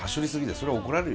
それは怒られるよ。